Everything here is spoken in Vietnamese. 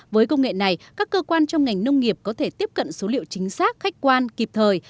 với công nghệ này các cơ quan trong ngành nông nghiệp có thể tiếp cận số liệu chính xác khách quan kịp thời